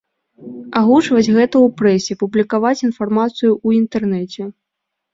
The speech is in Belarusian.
Агучваць гэта ў прэсе, публікаваць інфармацыю ў інтэрнэце.